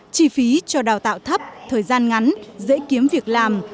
chi phí cho đào tạo thấp thời gian ngắn dễ kiếm việc làm